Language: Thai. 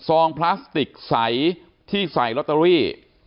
ซองพลาสติกใสที่ใส่ลอตเตอรี่